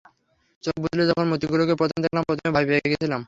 চোখ খুলে যখন মূর্তিগুলোকে প্রথম দেখলাম, প্রথমে ভয় পেয়েছিলাম।